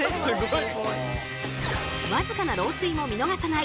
僅かな漏水も見逃さない